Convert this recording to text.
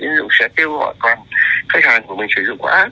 tín dụng sẽ tiêu gọi toàn khách hàng của mình sử dụng áp